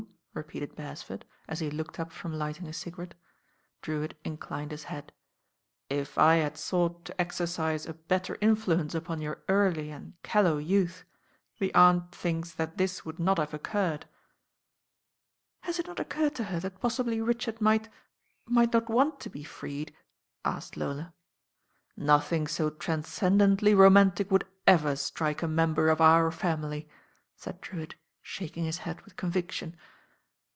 repeated Beresford, as he looked up from lighting a cigarette. Drewitt inclined his head. "If I had sought to exercise a better influence upon your early and callow youth, the Aunt thinks that this would not have oc curred." "Has it not occurred to her that possibly Richard might — might not want to be freed?" asked Lola. "Nothing so transcendently romantic would ever strike a member of our family," said Drewitt, shak ing his head with conviction.